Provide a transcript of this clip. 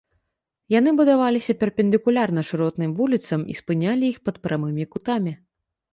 Яны будаваліся перпендыкулярна шыротным вуліцам і спынялі іх пад прамымі кутамі.